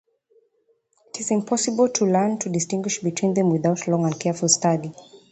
It is impossible to learn to distinguish between them without long and careful study.